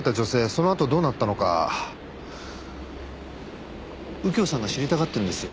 そのあとどうなったのか右京さんが知りたがってるんです。